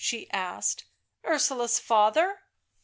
she asked, " Ursula's father. ..."